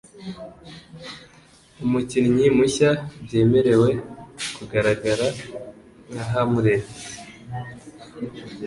Umukinnyi mushya byemerewe kugaragara nka Hamlet.